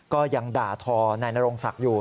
ก็ยังด่าท่อแนรงงษักอยู่